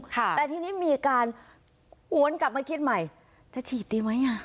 แต่ทีนี้มีการหวนกลับมาคิดใหม่จะฉีดดีไหมอ่ะ